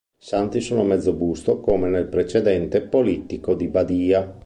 I santi sono a mezzo busto, come nel precedente "Polittico di Badia".